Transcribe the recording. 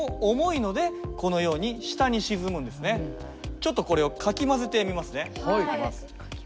ちょっとこれをかき混ぜてみますね。